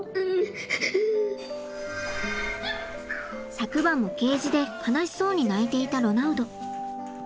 昨晩もケージで悲しそうに鳴いていたロナウド。